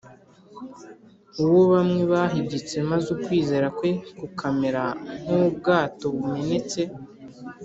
Uwo bamwe bahigitse maze ukwizera kwe kukamera nk’ ubwato bumenetse